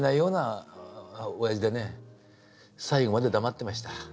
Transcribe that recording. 最後まで黙ってました。